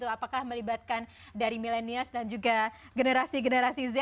apakah melibatkan dari millennials dan juga generasi generasi z